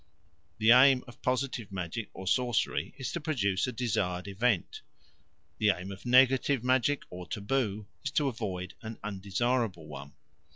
The aim of positive magic or sorcery is to produce a desired event; the aim of negative magic or taboo is to avoid an undesirable one.